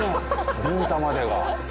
ビンタまでが。